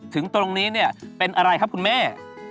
ถึงตรงนี้เนี่ยเป็นอะไรครับคุณแม่